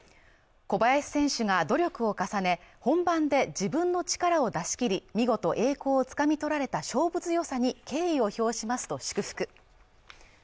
小林選手が努力を重ね本番で自分の力を出し切り見事栄光をつかみとられた勝負強さに敬意を評しますと祝福